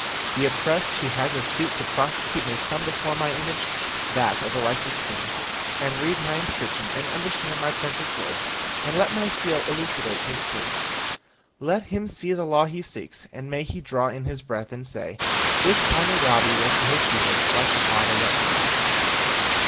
The oppressed who has a suit to prosecute may come before my image, that of a righteous king, and read my inscription and understand my precious words and let my stele elucidate his case. Let him see the law he seeks, and may he draw in his breath and say: 'This Hammurabi was to his people like the father that begot them!'"